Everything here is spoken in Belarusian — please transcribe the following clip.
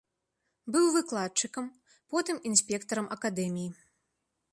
Быў выкладчыкам, потым інспектарам акадэміі.